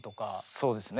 そうですね。